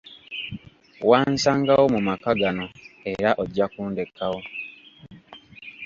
Wansangawo mu maka gano era ojja kundekawo.